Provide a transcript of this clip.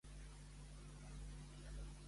Cantava només en castellà?